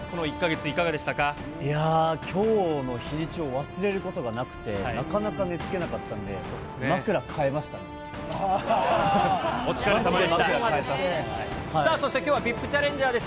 いやー、きょうの日にちを忘れることがなくて、なかなか寝つけなかったんで、お疲れさまでした。